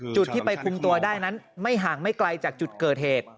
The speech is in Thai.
จุดที่ไปคุมตัวได้นั้นไม่ห่างไม่ไกลจากจุดเกิดเหตุ